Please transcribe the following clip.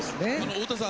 太田さん